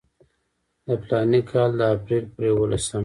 د فلاني کال د اپریل پر یوولسمه.